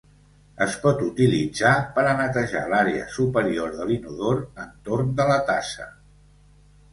Es pot utilitzar per a netejar l'àrea superior de l'inodor, entorn de la tassa.